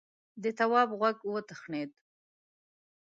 د تواب غوږ وتخڼيد: